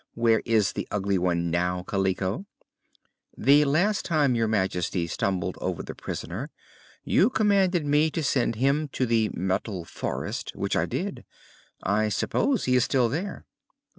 Where is the Ugly One now, Kaliko?" "The last time Your Majesty stumbled over the prisoner you commanded me to send him to the Metal Forest, which I did. I suppose he is still there."